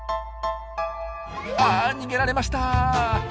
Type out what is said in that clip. あ逃げられました。